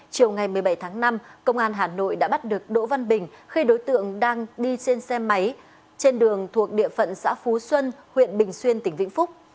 chiều ngày một mươi bảy tháng năm công an hà nội đã bắt được đỗ văn bình khi đối tượng đang đi trên xe máy trên đường thuộc địa phận xã phú xuân huyện bình xuyên tỉnh vĩnh phúc